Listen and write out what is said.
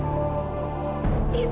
lagi ada urusan di sini